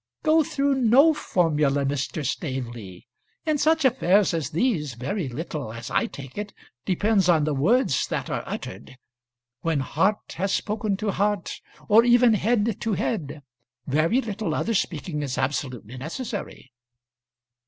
"Go through no formula, Mr. Staveley. In such affairs as these very little, as I take it, depends on the words that are uttered. When heart has spoken to heart, or even head to head, very little other speaking is absolutely necessary."